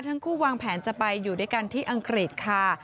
ทั้งคู่วางแผนจะไปอยู่ด้วยกันที่อังกฤษค่ะ